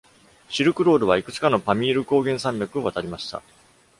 シルクロードはいくつかのパミール高原山脈を渡りました。